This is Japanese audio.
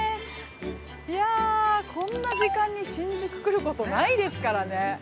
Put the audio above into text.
いやー、こんな時間に新宿来ることないですからね。